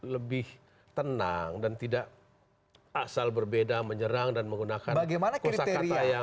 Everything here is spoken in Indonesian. lebih tenang dan tidak asal berbeda menyerang dan menggunakan kosa kata yang